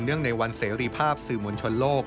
ในวันเสรีภาพสื่อมวลชนโลก